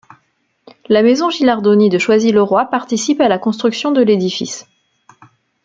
La maison Gilardoni de Choisy-le-Roi participe à la construction de l'édifice.